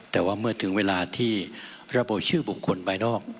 แต่ว่าเมื่อถึงเวลาที่ระบุชื่อบุคคลภายนอก